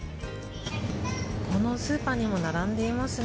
このスーパーにも並んでいますね。